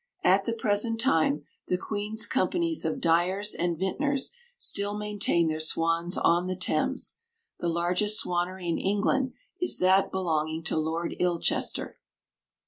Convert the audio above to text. At the present time the Queen's companies of Dyers and Vintners still maintain their swans on the Thames. The largest swanery in England is that belonging to Lord Ilchester.